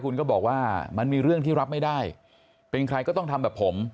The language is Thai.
คุณก็บอกว่ามันมีเรื่องที่รับไม่ได้เป็นใครก็ต้องทำแบบผม